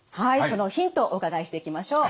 そのヒントをお伺いしていきましょう。